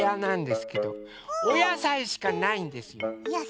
おやさいしかないんです！